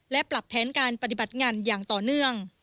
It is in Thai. และปรับแผนการปฏิบัติงานอย่างต่อเนื่อง